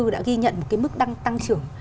đã ghi nhận mức tăng trưởng